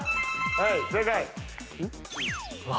はい正解。